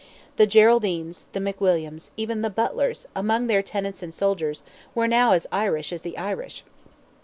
The Geraldines, the McWilliams, even the Butlers, among their tenants and soldiers, were now as Irish as the Irish.